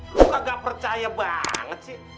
gue kagak percaya banget sih